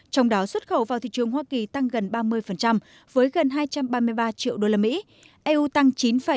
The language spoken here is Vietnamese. trong đó xuất khẩu vào thị trường hoa kỳ tăng gần ba mươi với gần hai trăm ba mươi ba triệu usd eu tăng chín bảy